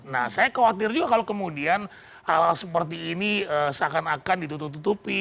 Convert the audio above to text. nah saya khawatir juga kalau kemudian hal hal seperti ini seakan akan ditutup tutupi